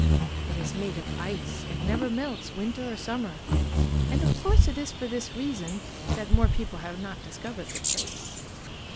It is made of ice, and never melts, winter or summer; and of course it is for this reason that more people have not discovered the place.